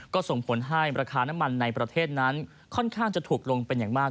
ก็ส่งผลให้ราคาน้ำมันในประเทศนั้นค่อนข้างจะถูกลงเป็นอย่างมาก